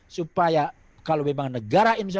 supaya kalau memang negara indonesia